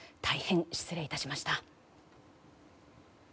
大変失礼致しました。